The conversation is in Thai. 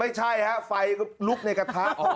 ไม่ใช่ฮะไฟก็ลุกในกระทะ